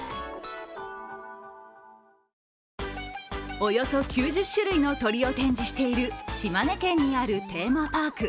およそ９０種類の鳥を展示している島根県にあるテーマパーク。